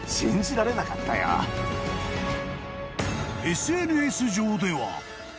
［ＳＮＳ上では］